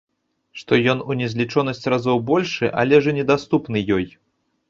Што ён у незлічонасць разоў большы, але ж і недаступны ёй.